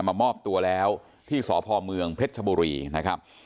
มามอบตัวแล้วที่สพเมืองเพชรชบุรีนะครับ